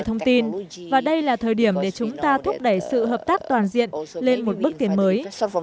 thông tin và đây là thời điểm để chúng ta thúc đẩy sự hợp tác toàn diện lên một bước tiến mới